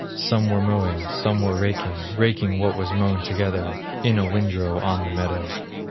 Some were mowing, some were raking, Raking what was mown together, In a windrow on the meadow.